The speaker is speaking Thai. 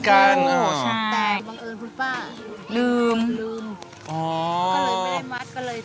แต่บังเอิญคุณป้าลืมอ๋อก็เลยไม่ได้มัดก็เลยเรียกว่าข้าวต้มลืมมัด